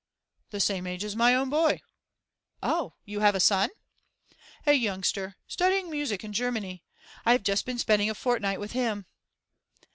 'The same age as my own boy.' 'Oh, you have a son?' 'A youngster, studying music in Germany. I have just been spending a fortnight with him.